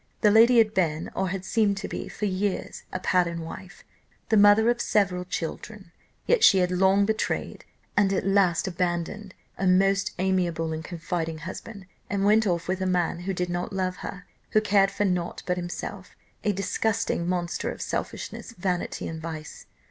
The lady had been, or had seemed to be, for years a pattern wife, the mother of several children; yet she had long betrayed, and at last abandoned, a most amiable and confiding husband, and went off with a man who did not love her, who cared for nought but himself, a disgusting monster of selfishness, vanity, and vice!